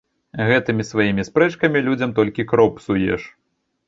Гэтымі сваімі спрэчкамі людзям толькі кроў псуеш.